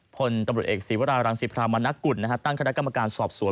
พลตำรวจเอกศีวรารังสิพรามณกุลตั้งคณะกรรมการสอบสวน